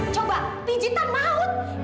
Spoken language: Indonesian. coba pijatan maut